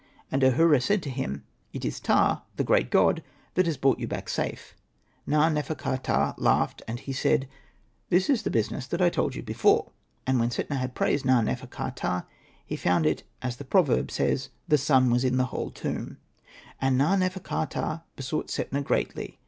And Ahura said to him, ''It is Ptah, the great god, that has brought you back safe." Na. nefer.ka.ptah laughed, and he said, '' This is the business that I told you before." And when Setna had praised Na.nefer.ka.ptah, he found it as the proverb says, *' The sun was in the whole tomb." And Ahura and Na. nefer.ka.ptah besought Setna greatly.